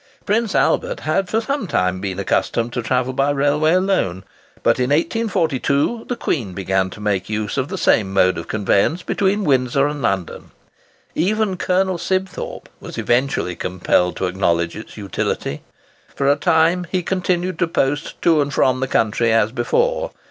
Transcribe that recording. Prince Albert had for some time been accustomed to travel by railway alone, but in 1842 the Queen began to make use of the same mode of conveyance between Windsor and London. Even Colonel Sibthorpe was eventually compelled to acknowledge its utility. For a time he continued to post to and from the country as before.